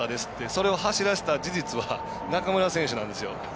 それを走らせた事実は中村選手なんですよ。